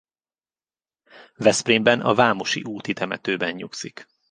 Veszprémben a Vámosi úti temetőben nyugszik.